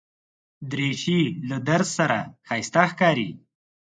دریشي له درز سره ښایسته ښکاري.